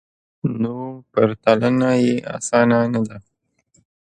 نو پرتلنه یې اسانه نه ده